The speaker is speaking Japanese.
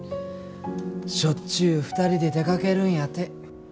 しょっちゅう２人で出かけるんやて。